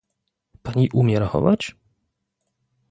"Pani umie rachować?"